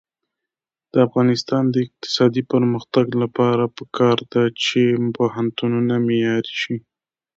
د افغانستان د اقتصادي پرمختګ لپاره پکار ده چې پوهنتونونه معیاري شي.